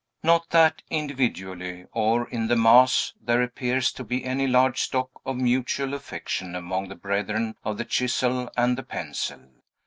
Not that, individually, or in the mass, there appears to be any large stock of mutual affection among the brethren of the chisel and the pencil.